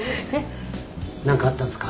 何かあったんすか？